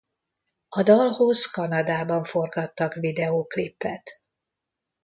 A dalhoz Kanadában forgattak videóklipet.